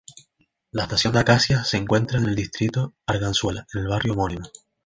La estación de Acacias se encuentran en el distrito Arganzuela, en el barrio homónimo.